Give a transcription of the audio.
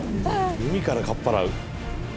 海からかっぱらう。